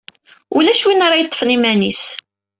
Ulac win ara yeṭṭfen iman-is.